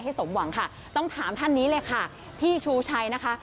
สมหวังค่ะต้องถามท่านนี้เลยค่ะพี่ชูชัยนะคะ